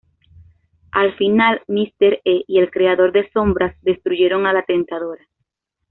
Al final, Mister E y el Creador de Sombras destruyeron a la Tentadora.